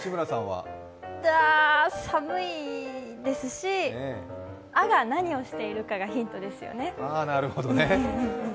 寒いですし、「あ」が何をしているかがヒントですよね。